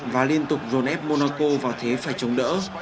và liên tục dồn ép monaco vào thế phải chống đỡ